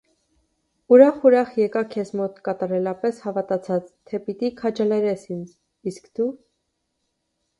Ուրախ-ուրախ եկա քեզ մոտ կատարելապես հավատացած, թե պիտի քաջալերես ինձ, իսկ դու…